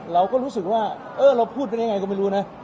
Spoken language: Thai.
เราก็รู้สึกว่าเออเราพูดไปได้ยังไงก็ไม่รู้นะ